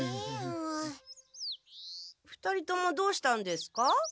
２人ともどうしたんですか？